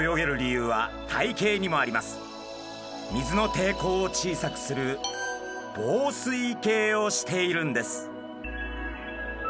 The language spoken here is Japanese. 水のていこうを小さくする紡錘形をしているんです。